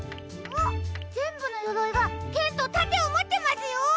ぜんぶのよろいがけんとたてをもってますよ！